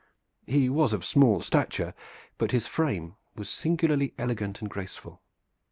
He was of small stature, but his frame was singularly elegant and graceful.